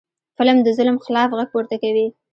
فلم د ظلم خلاف غږ پورته کوي